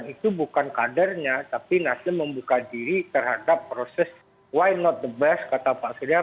itu bukan kadernya tapi nasdem membuka diri terhadap proses why not the best kata pak surya